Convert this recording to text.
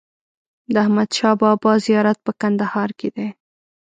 د احمد شا بابا زیارت په کندهار کی دی